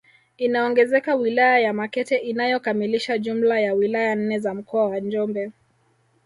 Inaongezeka wilaya ya Makete inayokamilisha jumla ya wilaya nne za mkoa wa Njombe